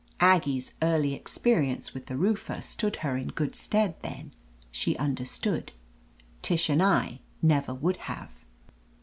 Aggie's early experience with the roofer stood her in good stead then. She understood ; Tish and I never would have.